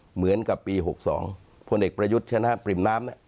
เหมือนกับปี๖๒พลเอกประยุทธ์ชนะปริ่มน้ำเนี่ย